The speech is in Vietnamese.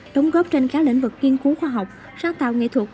đóng góp trên các lĩnh vực nghiên cứu khoa học sáng tạo nghệ thuật